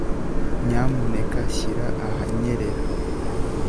Nyamuneka shyira ahanyerera